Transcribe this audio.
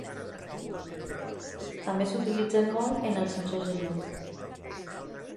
També s'utilitzen molt en els sensors de llum.